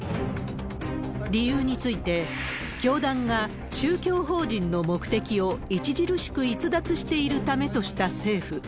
理由について、教団が宗教法人の目的を著しく逸脱しているためとした政府。